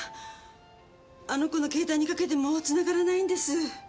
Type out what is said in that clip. あの子の携帯にかけてもつながらないんです。